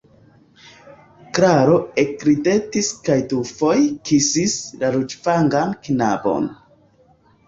Klaro ekridetis kaj dufoje kisis la ruĝvangan knabon.